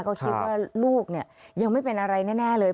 ก็คิดว่าลูกยังไม่เป็นอะไรแน่เลย